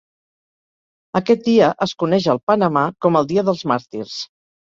Aquest dia es coneix al Panamà com el Dia dels Màrtirs.